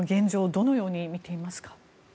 どのように見ていますか。